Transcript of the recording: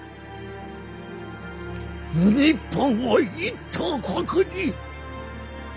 日本を一等国に。